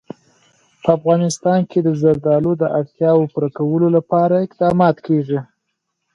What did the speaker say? په افغانستان کې د زردالو د اړتیاوو پوره کولو لپاره اقدامات کېږي.